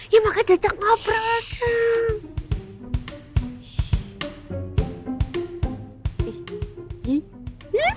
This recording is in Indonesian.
ya makanya diajak ngobrol